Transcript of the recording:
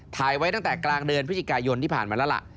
ถ่ายไว้ตั้งแต่กลางเดือนพฤศจิกายนที่ผ่านมาแล้วล่ะ